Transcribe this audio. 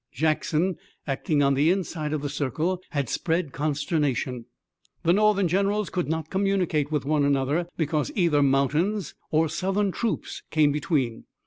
Jackson, acting on the inside of the circle, had spread consternation. The Northern generals could not communicate with one another because either mountains or Southern troops came between.